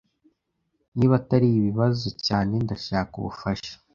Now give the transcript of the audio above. Niba atari ibibazo cyane, ndashaka ubufasha.